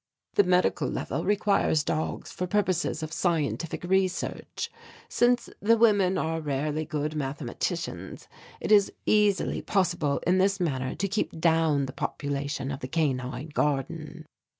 The Medical Level requires dogs for purposes of scientific research. Since the women are rarely good mathematicians, it is easily possible in this manner to keep down the population of the Canine Garden."